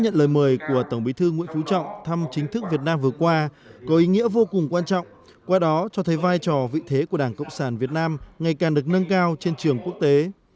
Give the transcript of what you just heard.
đảng cộng sản việt nam vừa qua có ý nghĩa vô cùng quan trọng qua đó cho thấy vai trò vị thế của đảng cộng sản việt nam ngày càng được nâng cao trên trường quốc tế